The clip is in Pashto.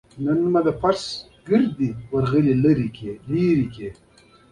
نن مې د فرش ټولې ورغلې لرې کړې.